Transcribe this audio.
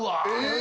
え！